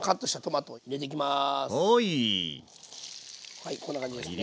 はいこんな感じですね。